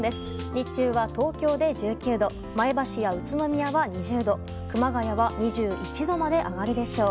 日中は東京で１９度前橋、宇都宮は２０度熊谷は２１度まで上がるでしょう。